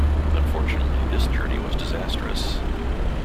Unfortunately this journey was disastrous.